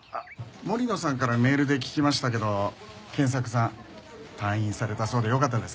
森野さんからメールで聞きましたけど賢作さん退院されたそうでよかったですね。